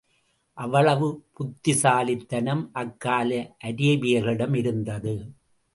அவ்வளவு புத்திசாலித்தனம் அக்கால அரேபியர்களிடம் இருந்தது.